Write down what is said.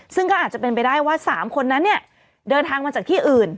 ซึ่งก็อาจจะเป็นไปได้ว่า๓คนนั้นเนี่ยเดินทางมาจากที่อื่น